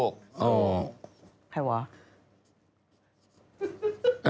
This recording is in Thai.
ใครวะ